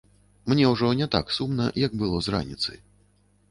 Мне ўжо не так сумна, як было з раніцы.